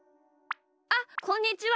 あっこんにちは。